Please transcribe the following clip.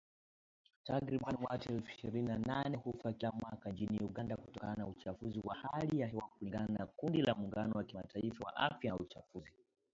Takriban watu elfu ishirini na nane hufa kila mwaka nchini Uganda kutokana na uchafuzi wa hali ya hewa kulingana na kundi la Muungano wa Kimataifa wa Afya na Uchafuzi